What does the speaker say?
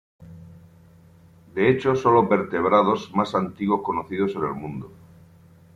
De hecho son los vertebrados más antiguos conocidos en el mundo.